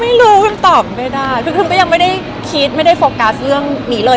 ไม่รู้คุณตอบไม่ได้คือคุณก็ยังไม่ได้คิดไม่ได้โฟกัสเรื่องนี้เลย